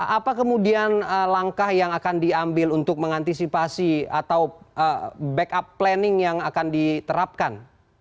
apa kemudian langkah yang akan diambil untuk mengantisipasi atau backup planning yang akan diterapkan